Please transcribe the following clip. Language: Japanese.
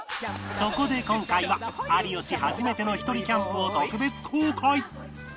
そこで今回は有吉初めてのひとりキャンプを特別公開！